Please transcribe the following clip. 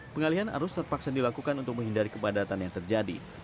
pengalihan arus terpaksa dilakukan untuk menghindari kepadatan yang terjadi